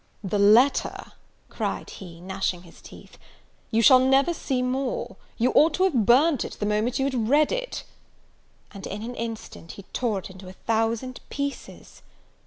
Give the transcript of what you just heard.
"The letter," cried he, gnashing his teeth, "you shall never see more! You ought to have burnt it the moment you had read it!" And in an instant he tore it into a thousand pieces.